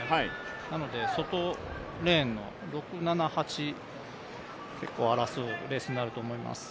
なので外レーンの６、７、８、結構争うレースになると思います。